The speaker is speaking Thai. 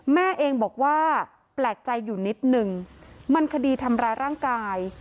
แม่เองบอกว่าแปลกใจอยู่นิดนึงมันคดีทำร้ายร่างกาย